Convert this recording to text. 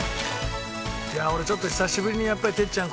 いや俺ちょっと久しぶりにやっぱり哲ちゃん